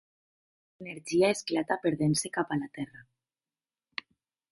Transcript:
L'energia esclata perdent-se cap a la Terra.